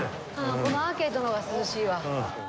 このアーケードの方が涼しいわ。